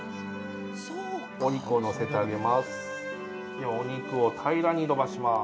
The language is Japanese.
お肉を載せてあげます。